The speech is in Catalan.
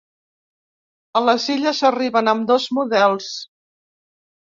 A les illes arriben ambdós models.